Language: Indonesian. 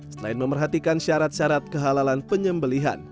selain memerhatikan syarat syarat kehalalan penyembelihan